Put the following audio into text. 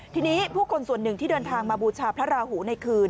ทีนี้ผู้คนส่วนหนึ่งที่เดินทางมาบูชาพระราหูในคืน